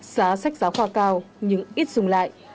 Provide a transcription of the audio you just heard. giá sách giáo khoa cao nhưng ít dùng lại